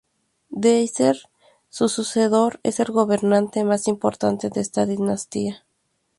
Dyeser, su sucesor, es el gobernante más importante de esta dinastía.